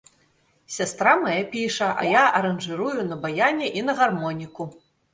Сястра мая піша, а я аранжырую на баяне і на гармоніку.